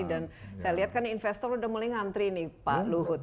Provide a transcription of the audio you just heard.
dan saya lihat kan investor udah mulai ngantri nih pak luhut